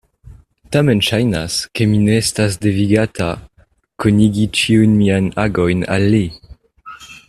Tamen ŝajnas, ke mi ne estas devigata konigi ĉiujn miajn agojn al li.